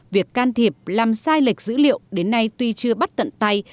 việc can thiệp làm sai lệch dữ liệu đến nay tuy chưa bắt tận tay